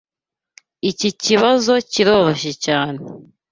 Iki kibazo kiroroshye cyane.